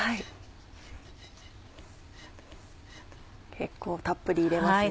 結構たっぷり入れますね。